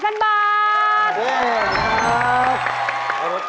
เยี่ยมครับ